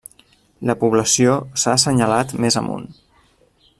La població s'ha assenyalat més amunt.